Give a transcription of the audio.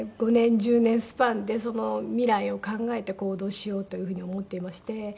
５年１０年スパンでその未来を考えて行動しようというふうに思っていまして。